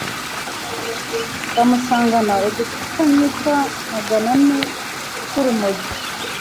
bamusangana udupfunyika Magana ane tw’urumogi.”